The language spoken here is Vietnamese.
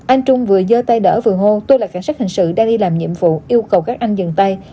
anh trung vừa dơ tay đỡ vừa hô tôi là cảnh sát hình sự đang đi làm nhiệm vụ yêu cầu các anh dừng tay